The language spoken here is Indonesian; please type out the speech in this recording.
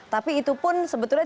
tapi itu pun sebenarnya